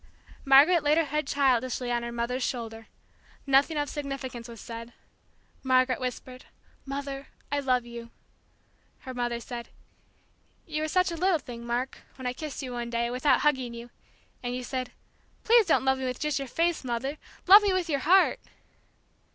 Margaret laid her head childishly on her mother's shoulder. Nothing of significance was said. Margaret whispered, "Mother, I love you!" Her mother said, "You were such a little thing, Mark, when I kissed you one day, without hugging you, and you said, 'Please don't love me just with your face, Mother, love me with your heart!'"